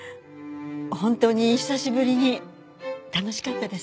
本当に久しぶりに楽しかったです。